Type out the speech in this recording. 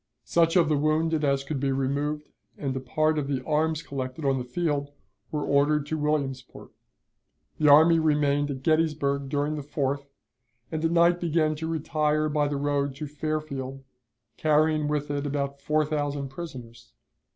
Such of the wounded as could be removed and a part of the arms collected on the field were ordered to Williamsport. The army remained at Gettysburg during the 4th, and at night began to retire by the road to Fairfield, carrying with it about four thousand prisoners.